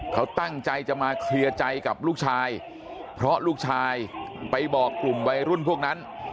เขาตั้งใจจะมาเคลียร์ใจกับลูกชายเพราะลูกชายไปบอกกลุ่มวัยรุ่นพวกนั้น